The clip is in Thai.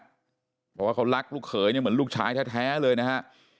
เพราะว่าเขารักลูกเขยเนี่ยเหมือนลูกชายแท้เลยนะฮะ